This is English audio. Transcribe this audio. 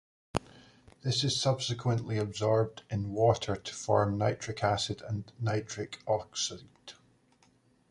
This is subsequently absorbed in water to form nitric acid and nitric oxide.